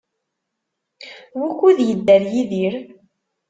Wukud yedder Yidir?